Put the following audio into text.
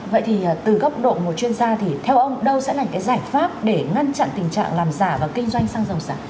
vậy thì từ góc độ một chuyên gia thì theo ông đâu sẽ là cái giải pháp để ngăn chặn tình trạng làm giả và kinh doanh xăng dầu giả